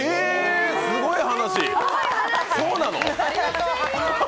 すごい話！